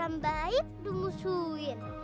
orang baik dimusuhin